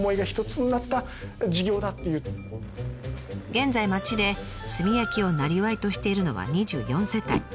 現在町で炭焼きを生業としているのは２４世帯。